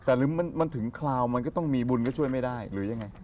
แต่หรือมันถึงคราวมันก็ต้องมีบุญก็ช่วยไม่ได้หรือยังไง